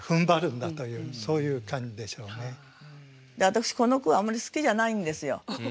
私この句はあんまり好きじゃないんですよ。